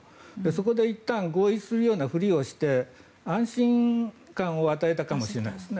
そこでいったん合意するようなふりをして安心感を与えたかもしれないですね。